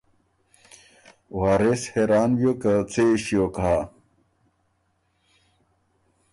وارث حېران بیوک که څۀ يې ݭیوک هۀ